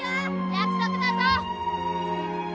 約束だぞ！